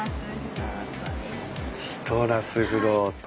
シトラスフロート。